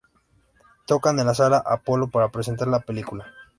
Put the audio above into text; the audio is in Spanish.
Tocan en la Sala Apolo para presentar la película.